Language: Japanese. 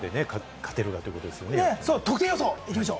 得点予想いきましょう。